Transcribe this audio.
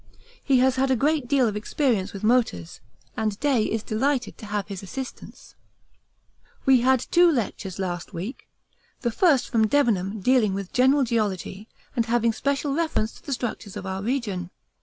He has had a great deal of experience with motors, and Day is delighted to have his assistance. We had two lectures last week the first from Debenham dealing with General Geology and having special reference to the structures of our region.